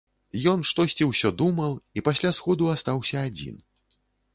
Ён штосьці ўсё думаў і пасля сходу астаўся адзін.